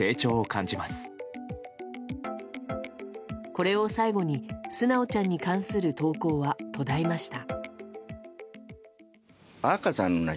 これを最後に純ちゃんに関する投稿は途絶えました。